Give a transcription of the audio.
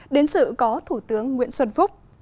đến sự có thủ tướng nguyễn xuân phúc